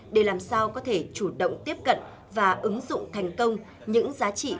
để làm sao có thể chủ động tiếp cận và ứng dụng thành công những giá trị